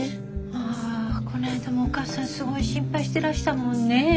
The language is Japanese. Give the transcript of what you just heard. あぁこないだもお母さんすごい心配してらしたもんねぇ。